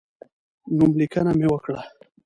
نوملیکنه مې وکړه.